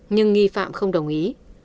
nhưng nghi phạm không đồng ý